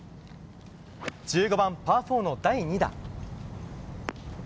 １５番、パー４の第２打。